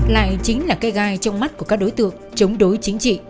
lại chính là cây gai trong mắt của các đối tượng chống đối chính trị